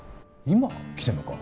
今来てんのか？